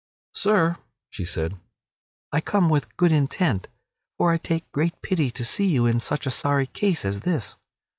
"Sir," she said, "I come with good intent, for I take great pity to see you in such a sorry case as this.